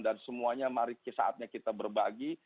dan semuanya mari saatnya kita berbagi